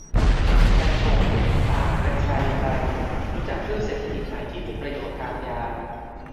กัญชง ต่างกับกัญชาอย่างไร รู้จักพืชเศรษฐกิจใหม่ที่มีประโยชน์ทางยา